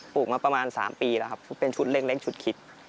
มาประมาณ๓ปีแล้วครับเป็นชุดเล็กชุดคิด